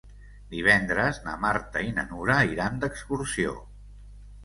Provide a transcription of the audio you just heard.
Divendres na Marta i na Nura iran d'excursió.